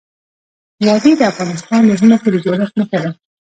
وادي د افغانستان د ځمکې د جوړښت نښه ده.